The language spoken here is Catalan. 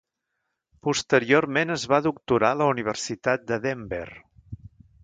Posteriorment es va doctorar a la Universitat de Denver.